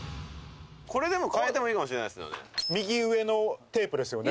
これ、でも、変えてもいいか右上のテープですよね。